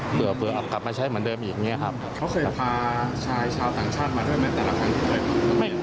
เผื่อเอากลับมาใช้เหมือนเดิมอีกอย่างนี้ครับเขาเคยพาชายชาวต่างชาติมาด้วยไหมแต่ละครั้งไหม